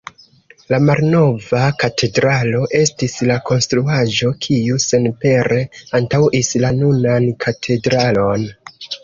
La "malnova katedralo" estis la konstruaĵo, kiu senpere antaŭis la nunan katedralon.